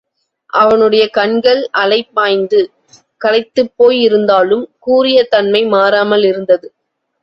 அவனுடயை கண்கள் அலை பாய்ந்து, களைத்துப்போய் இருந்தாலும், கூரிய தன்மை மாறாமல் இருந்தது.